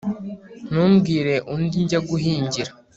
ntumbwire undi njya guhingira